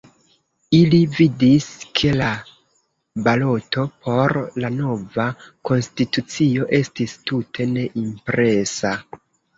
Ili vidis, ke la baloto por la nova konstitucio estis tute ne impresa.